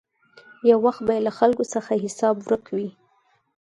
یو وخت به یې له خلکو څخه حساب ورک وي.